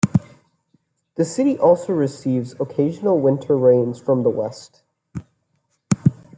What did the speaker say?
The city also receives occasional winter rains from the west.